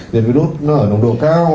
diệt virus nó ở nồng độ cao